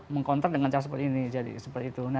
meng counter dengan cara seperti ini